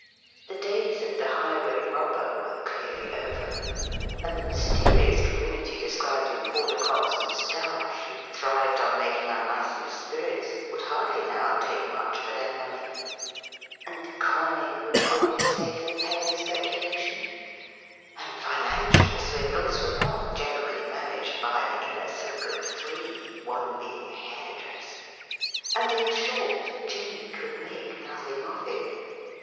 The days of the highway robber were clearly over, and the mysterious community described in Paul de Kock's 'Moustache,' who thrived on making unlicensed spirits, would hardly now take much for their money, and coining would not be a safe and paying speculation, and financial swindles were not generally managed by an inner circle of three, one being a hairdresser ; and, in short, Jim 92 THE RIDDLE RING could make nothing of it.